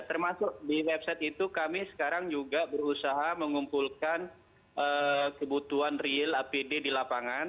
termasuk di website itu kami sekarang juga berusaha mengumpulkan kebutuhan real apd di lapangan